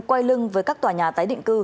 quay lưng với các tòa nhà tái định cư